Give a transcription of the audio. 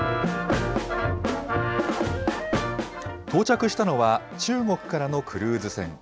到着したのは、中国からのクルーズ船。